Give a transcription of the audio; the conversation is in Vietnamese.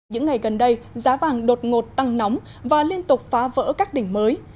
những ngày gần đây giá vàng đột ngột tăng nóng và liên tục phá vỡ các đỉnh mới